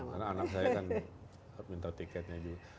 karena anak saya kan minta tiketnya juga